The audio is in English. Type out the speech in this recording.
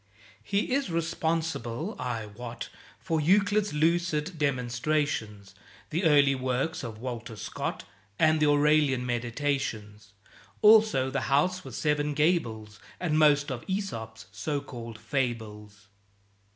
He is responsible, I wot, For Euclid's lucid demonstrations, The early works of Walter Scott, And the Aurelian "Meditations"; Also "The House with Seven Gables" And most of Æsop's (so called) Fables.